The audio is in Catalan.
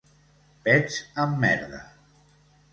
Pets amb merda.